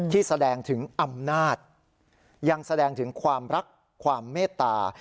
ที่แสดงถึงอำนาจยังแสดงถึงความรักความเมตตา